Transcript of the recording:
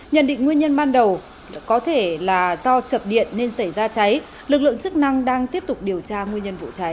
nhận định nguyên nhân ban đầu có thể là do chập điện nên xảy ra cháy lực lượng chức năng đang tiếp tục điều tra nguyên nhân vụ cháy